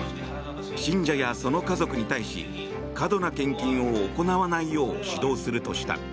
信者やその家族に対し過度な献金を行わないよう指導するとした。